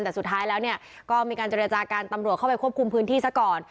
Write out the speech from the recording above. แต่สุดท้ายแล้วเนี่ยก็มีการเจรจากันตำรวจเข้าไปควบคุมพื้นที่ซะก่อน